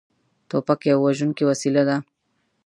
توپک یوه وژونکې وسلې ده.